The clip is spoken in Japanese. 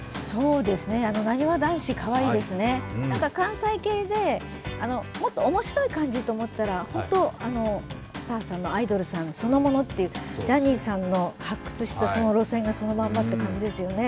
なにわ男子、かわいいですね関西系で、もっと面白い感じと思ったらホント、関西のアイドルさんそのものっていう、ジャニーさんの発掘した路線そのままという感じですよね。